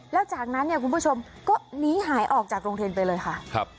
แล้วจากนั้นเนี่ยคุณผู้ชมก็หนีหายออกจากโรงเรียนไปเลยค่ะ